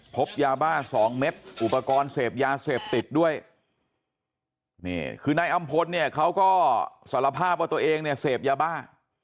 พบยาบ้าสองเม็ดอุปกรณ์เสพยาเสพติดด้วยนี่คือนายอำพลเนี่ยเขาก็สารภาพว่าตัวเองเนี่ยเสพยาบ้า